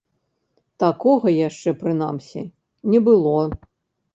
Такога яшчэ, прынамсі, не было.